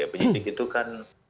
penyidik itu kan